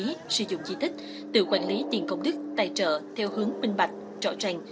tiền công đức sử dụng di tích tự quản lý tiền công đức tài trợ theo hướng minh bạch rõ ràng